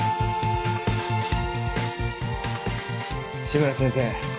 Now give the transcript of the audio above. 志村先生。